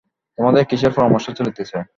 তোমাদের কিসের পরামর্শ চলিতেছে।